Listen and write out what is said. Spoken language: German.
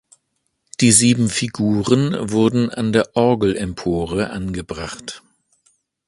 Die sieben Figuren wurden an der Orgelempore angebracht.